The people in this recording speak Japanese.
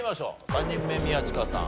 ３人目宮近さん